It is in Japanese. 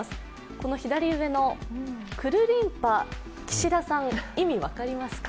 この左上の、くるりんぱ、岸田さん、意味分かりますか？